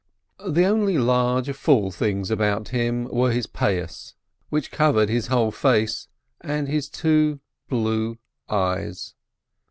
The only large, full things about him were his earlocks, which covered his whole face, and his two blue eyes.